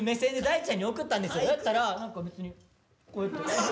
やったら何か別にこうやって。